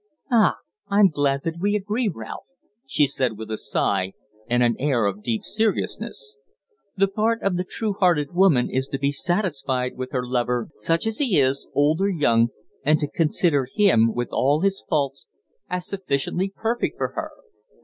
"Ah! I'm glad that we agree, Ralph," she said with a sigh and an air of deep seriousness. "The part of the true hearted woman is to be satisfied with her lover such as he is, old or young, and to consider him, with all his faults, as sufficiently perfect for her.